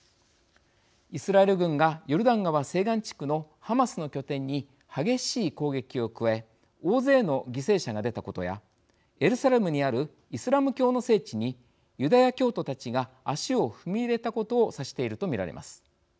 イスラエル軍がヨルダン川西岸地区のハマスの拠点に激しい攻撃を加え大勢の犠牲者が出たことやエルサレムにあるイスラム教の聖地にユダヤ教徒たちが足を踏み入れたことを指していると見られます。